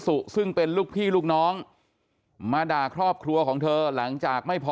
สุซึ่งเป็นลูกพี่ลูกน้องมาด่าครอบครัวของเธอหลังจากไม่พอ